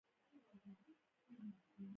پیلوټ د لوړوالي اندازه کنټرولوي.